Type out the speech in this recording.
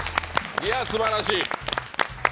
いや、すばらしい。